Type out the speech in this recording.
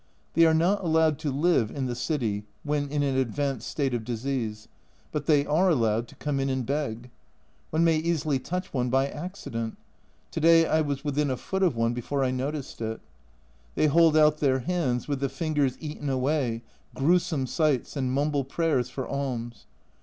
They are not allowed to live in the city, when in an advanced state of disease, but they are allowed to come in and beg. One may easily touch one by accident ! To day I was within a foot of one before I noticed it. They hold out their hands, with the fingers eaten away, gruesome sights, and mumble prayers for alms.